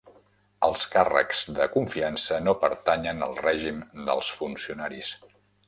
Els càrrecs de confiança no pertanyen al règim dels funcionaris.